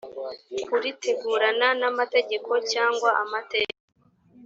kuritegurana n amategeko cyangwa amateka